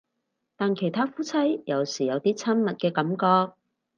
但其他夫妻有時有啲親密嘅感覺